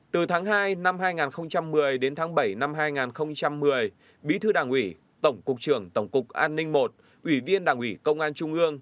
từ tháng sáu năm hai nghìn sáu đến tháng một mươi hai năm hai nghìn chín phó trưởng phòng tổng cục an ninh bộ công an